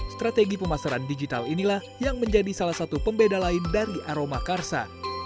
strategi pemasaran digital inilah yang menjadi salah satu pembeda lain dari aroma karsa